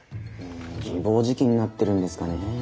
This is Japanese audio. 自暴自棄になってるんですかねえ。